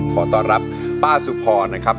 ก็ตอนรับป้าซุพพอนะครับ